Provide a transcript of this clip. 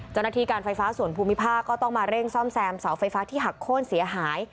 เจ้าหน้าที่การไฟฟ้าส่วนภูมิภาคก็ต้องมาเร่งซ่อมแซมเสาไฟฟ้าที่หักโค้นเสียหาย